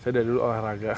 saya dari dulu olahraga